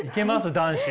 男子。